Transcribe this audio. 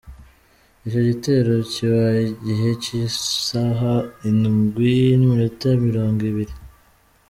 Ico gitero kibaye igihe c’isaha indwi n’iminota mirongo ibiri.